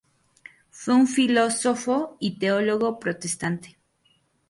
Fue un filósofo y teólogo protestante.